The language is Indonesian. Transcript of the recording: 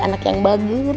anak yang bagus